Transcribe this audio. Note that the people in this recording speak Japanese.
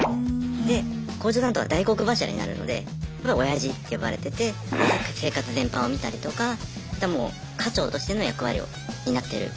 で工場担当は大黒柱になるのでまあオヤジって呼ばれてて生活全般を見たりとかもう家長としての役割を担ってる。